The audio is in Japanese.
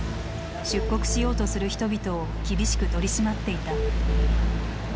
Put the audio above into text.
出国しようとする人々を厳しく取り締まっていた。